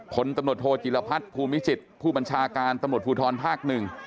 พลตำรวจโทจิลพัฒน์ภูมิจิตผู้บัญชาการตำรวจภูทรภาคหนึ่ง